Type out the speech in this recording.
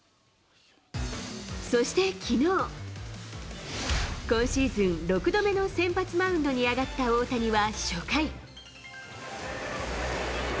そしてきのう、今シーズン６度目の先発マウンドに上がった大谷は初回。